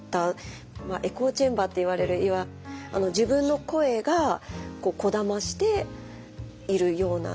エコーチェンバーっていわれる自分の声がこだましているような。